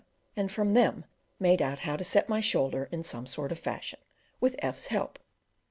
and from them made out how to set my shoulder in some sort of fashion, with F 's help.